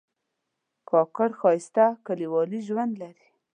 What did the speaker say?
کاکړ ښایسته کلیوالي ژوند لري.